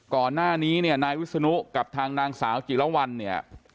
ก่อนหน้านี้เนี่ยนายวิศนุกับทางนางสาวจิรวรรณเนี่ย